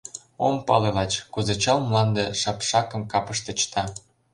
Ом пале лач, кузе Чал Мланде Шапшакым капыште чыта.